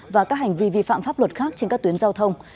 và các hành vi vi phạm pháp luật khác trên các tuyến giao thông